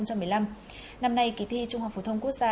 năm nay kỳ thi trung học phổ thông quốc gia